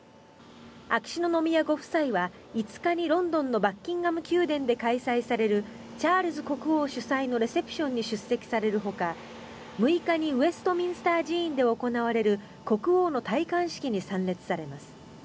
秋篠宮ご夫妻は５日にロンドンのバッキンガム宮殿で開催されるチャールズ国王主催のレセプションに出席されるほか６日にウェストミンスター寺院で行われる国王の戴冠式に参列されます。